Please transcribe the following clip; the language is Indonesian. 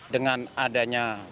dengan adanya belakang